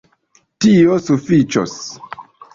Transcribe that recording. Tio sufiĉos.